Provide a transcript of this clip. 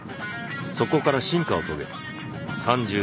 そこから進化を遂げた。